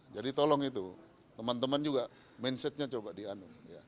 jadi tolong itu teman teman juga mindsetnya coba dianu